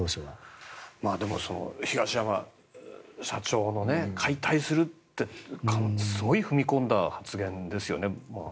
でも東山社長の解体するってすごい踏み込んだ発言ですよね。